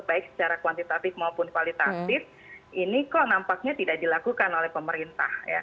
baik secara kuantitatif maupun kualitatif ini kok nampaknya tidak dilakukan oleh pemerintah